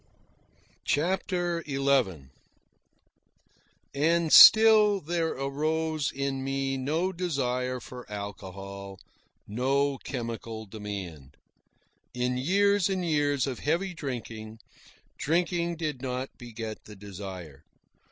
CHAPTER XI And still there arose in me no desire for alcohol, no chemical demand. In years and years of heavy drinking, drinking did not beget the desire.